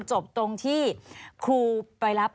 จบตรงที่ครูไปรับ